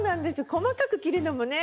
細かく切るのもね